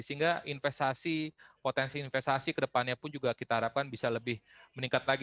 sehingga potensi investasi ke depannya pun juga kita harapkan bisa lebih meningkat lagi